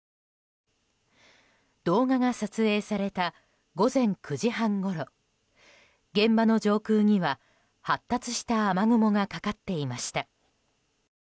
動画が撮影された午前９時半ごろ現場の上空には発達した雨雲がかかっていました。